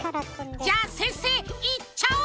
じゃあ先生いっちゃう？